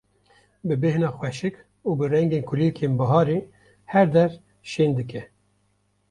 bi bêhna xweşik û bi rengên kulîlkên biharê her der şên dike.